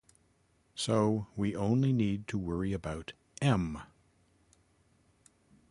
So we only need to worry about "m".